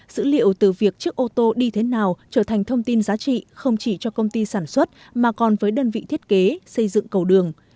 dữ liệu từ việc chiếc ô tô đi thế nào trở thành thông tin giá trị không chỉ cho công ty sản xuất mà còn với đơn vị thiết kế xây dựng cầu đường